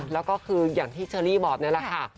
แล้วก็คืออย่างที่เชอรี่บอกนี่แหละค่ะ